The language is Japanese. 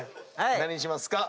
何にしますか？